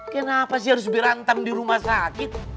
kenapa sih harus diantam di rumah sakit